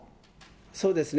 そうですね。